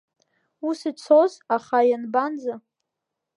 Ус ицоз, аха, ианбанӡа?